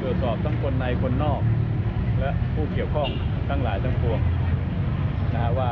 ตรวจสอบทั้งคนในคนนอกและผู้เกี่ยวข้องทั้งหลายทั้งปวงนะฮะว่า